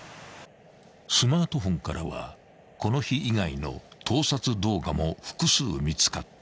［スマートフォンからはこの日以外の盗撮動画も複数見つかった］